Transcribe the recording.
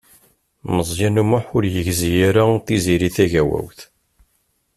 Meẓyan U Muḥ ur yegzi ara Tiziri Tagawawt.